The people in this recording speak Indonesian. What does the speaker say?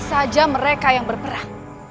saja mereka yang berperang